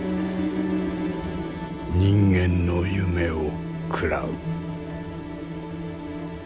人間の夢を食らう。